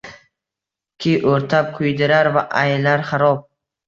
Ki o’rtab kuydirar va aylar xarob!